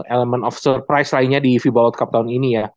elemen of surprise lainnya di fiba world cup tahun ini ya